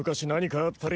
あっ！